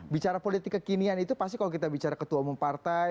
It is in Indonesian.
bicara politik kekinian itu pasti kalau kita bicara ketua umum partai